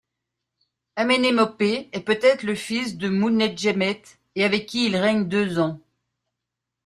Aménémopé est peut-être le fils de Moutnedjemet et avec qui il règne deux ans.